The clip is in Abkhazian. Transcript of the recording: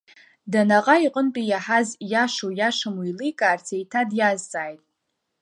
Данаҟаи иҟынтәи иаҳаз иашоу-иашаму еиликаарц еиҭа диазҵааит…